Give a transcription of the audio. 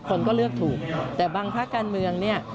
คนก็เลือกถูกแต่บางภาคการเมืองเนี่ย